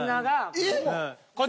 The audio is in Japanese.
えっ？